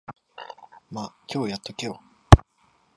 ま、今日やっとけよ。